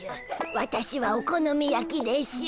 わたしはお好み焼きでしゅ。